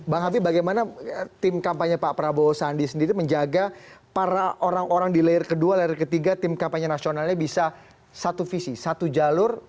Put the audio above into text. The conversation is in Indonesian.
bang habib bagaimana tim kampanye pak prabowo sandi sendiri menjaga para orang orang di layer kedua layer ketiga tim kampanye nasionalnya bisa satu visi satu jalur